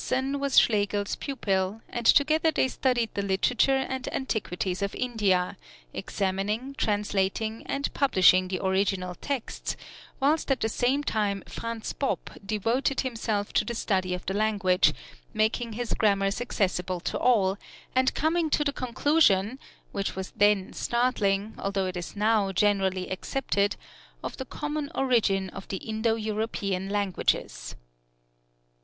_] Lassen was Schlegel's pupil, and together they studied the literature and antiquities of India, examining, translating, and publishing the original texts; whilst at the same time Franz Bopp devoted himself to the study of the language, making his grammars accessible to all, and coming to the conclusion which was then startling, although it is now generally accepted, of the common origin of the Indo European languages.